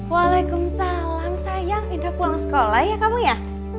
waalaikumsalam sayang indra pulang sekolah ya kamu ya